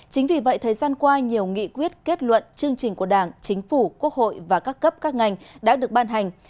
chính vì vậy thời gian qua nhiều nghị quyết kết luận chương trình của đảng chính phủ quốc hội và các cấp các ngành đã được ban hành